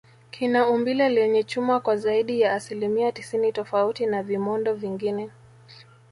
kina umbile lenye chuma kwa zaidi ya asilimia tisini tofauti na vimondo vingine